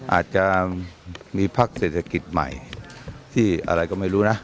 อาจจะมีพักเศรษฐกิจใหม่ที่อะไรก็ไม่รู้นะ